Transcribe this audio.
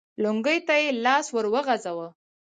لونګۍ ته يې لاس ور وغځاوه.